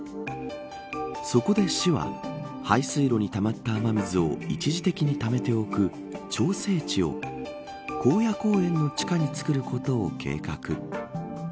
そこで市は排水路にたまった雨水を一時的にためておく調整池を興野公園の地下に作ることを計画。